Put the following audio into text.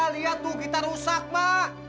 lihat tuh gitar rusak mak